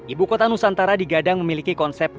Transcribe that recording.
ibu kota nusantara di gadang memiliki konsep